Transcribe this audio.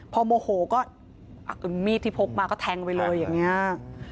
พอโมโหก็มีดที่พกมาก็แทงไปเลยอย่างนี้